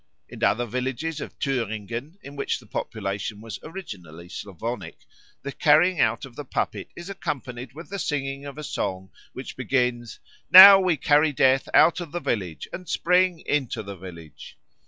In other villages of Thüringen, in which the population was originally Slavonic, the carrying out of the puppet is accompanied with the singing of a song, which begins, "Now we carry Death out of the village and Spring into the village."